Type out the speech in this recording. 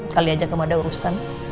kali aja kamu ada urusan